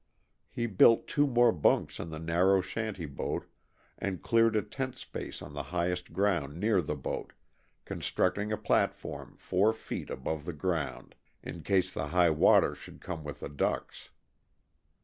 He built two more bunks in the narrow shanty boat and cleared a tent space on the highest ground near the boat, constructing a platform four feet above the ground, in case the high water should come with the ducks.